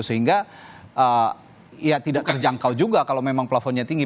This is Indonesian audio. sehingga ya tidak terjangkau juga kalau memang plafonnya tinggi